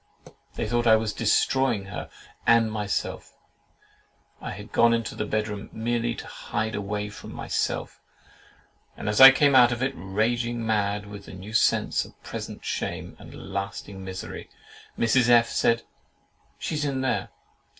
They thought I was destroying her and myself. I had gone into the bedroom, merely to hide away from myself, and as I came out of it, raging mad with the new sense of present shame and lasting misery, Mrs. F—— said, "She's in there!